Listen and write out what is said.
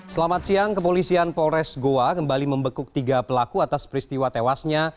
selamat siang kepolisian polres goa kembali membekuk tiga pelaku atas peristiwa tewasnya